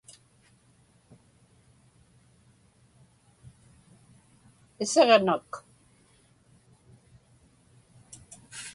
Isiġnak.